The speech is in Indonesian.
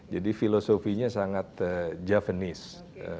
jadi filosofinya sangat javanese